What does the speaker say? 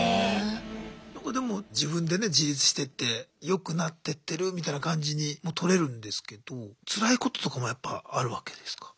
なんかでも自分でね自立してってよくなってってるみたいな感じにもとれるんですけどつらいこととかもやっぱあるわけですか？